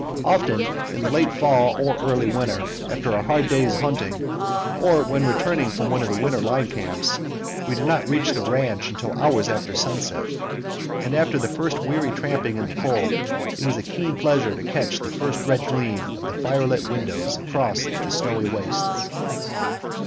Often in the late fall or early winter, after a hard day's hunting, or when returning from one of the winter line camps, we did not reach the ranch until hours after sunset; and after the weary tramping in the cold it was keen pleasure to catch the first red gleam of the fire lit windows across the snowy wastes.